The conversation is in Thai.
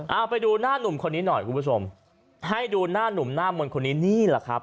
เอาไปดูหน้านุ่มคนนี้หน่อยคุณผู้ชมให้ดูหน้าหนุ่มหน้ามนต์คนนี้นี่แหละครับ